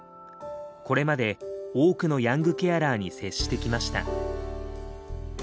これまで多くのヤングケアラーに接してきました。